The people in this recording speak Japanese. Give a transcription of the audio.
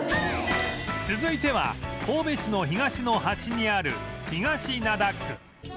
続いては神戸市の東の端にある東灘区